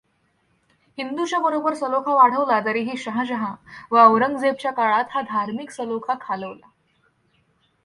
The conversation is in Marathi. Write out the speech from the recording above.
हिंदूच्या बरोबर सलोखा वाढवला तरीही शाहजहाँ व औरंगजेबच्या काळात हा धार्मिक सलोखा खालवला.